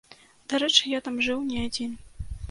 Дарэчы, я там жыў не адзін.